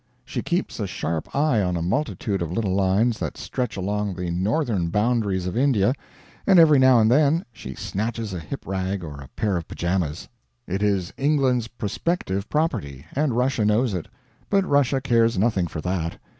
She keeps a sharp eye on a multitude of little lines that stretch along the northern boundaries of India, and every now and then she snatches a hip rag or a pair of pyjamas. It is England's prospective property, and Russia knows it; but Russia cares nothing for that.